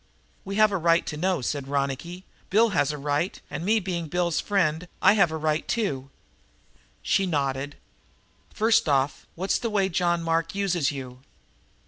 "We have a right to know," said Ronicky. "Bill has a right, and, me being Bill's friend, I have a right, too." She nodded. "First off, what's the way John Mark uses you?"